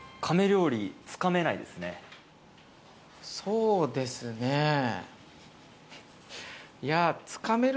そうですね。えっ？